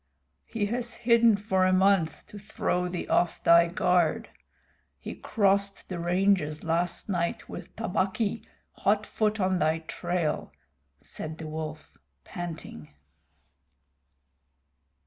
"He has hidden for a month to throw thee off thy guard. He crossed the ranges last night with Tabaqui, hot foot on thy trail," said the Wolf, panting.